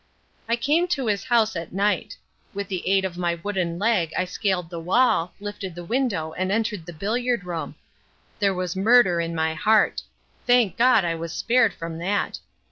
"I came to his house at night. With the aid of my wooden leg I scaled the wall, lifted the window and entered the billiard room. There was murder in my heart. Thank God I was spared from that.